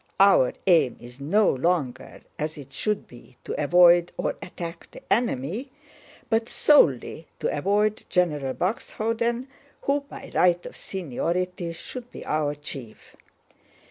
Our aim is no longer, as it should be, to avoid or attack the enemy, but solely to avoid General Buxhöwden who by right of seniority should be our chief.